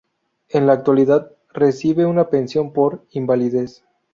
En la actualidad recibe una pensión por invalidez.